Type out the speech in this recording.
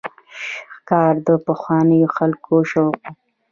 ښکار د پخوانیو خلکو شوق و.